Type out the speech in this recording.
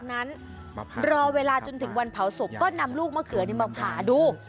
นั้นรอเวลาจนถึงวันเผาศพก็นำลูกมะเขือมาผ่าดู